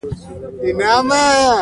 قطب شمال ډېر یخ ځای دی.